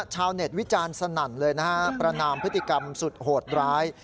ชาวเน็ตวิจารณ์สนั่นเลยนะฮะประนามพฤติกรรมสุดโหดร้าย